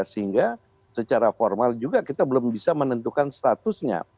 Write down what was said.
sehingga secara formal juga kita belum bisa menentukan statusnya